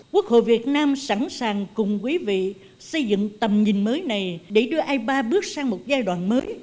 quốc hội việt nam sẵn sàng cùng quý vị xây dựng tầm nhìn mới này để đưa ipa bước sang một giai đoạn mới